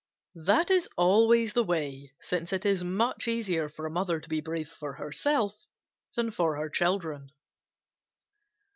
That is always the way, since it is much easier for a mother to be brave for herself than for her children.